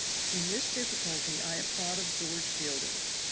In this difficulty I have thought of George Fielding.